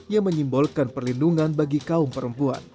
yang menyimbolkan perlindungan bagi kaum perempuan